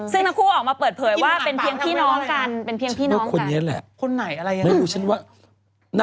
ซึ่งทั้งคู่ออกมาเปิดเผยว่าเป็นเพียงพี่น้องกัน